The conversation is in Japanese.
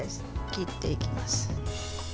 切っていきます。